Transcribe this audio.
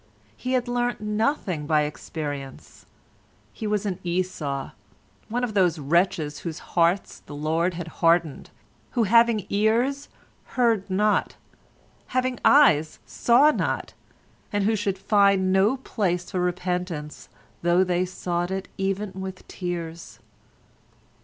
He had learnt nothing by experience: he was an Esau—one of those wretches whose hearts the Lord had hardened, who, having ears, heard not, having eyes saw not, and who should find no place for repentance though they sought it even with tears.